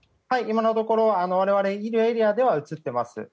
今のところ我々のいるエリアでは映っています。